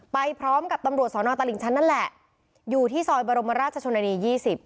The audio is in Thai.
ไปพร้อมกับตำรวจสอนอตลิ่งชั้นนั่นแหละอยู่ที่ซอยบรมราชชนนานี๒๐